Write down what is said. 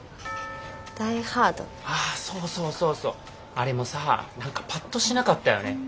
あれもさ何かパッとしなかったよね。